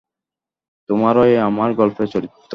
তোমরাই আমার গল্পের চরিত্র।